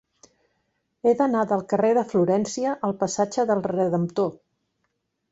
He d'anar del carrer de Florència al passatge del Redemptor.